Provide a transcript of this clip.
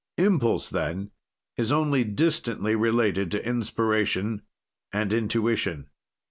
Impulse, then, is only distantly related to inspiration and intuition.